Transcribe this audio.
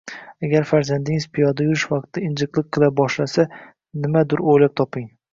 Agar farzandingiz piyoda yurish vaqtida injiqlik qila boshlasa, nimadur o'ylab toping.